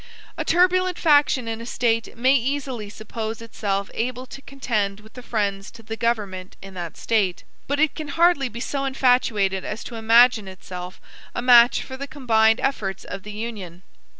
A turbulent faction in a State may easily suppose itself able to contend with the friends to the government in that State; but it can hardly be so infatuated as to imagine itself a match for the combined efforts of the Union.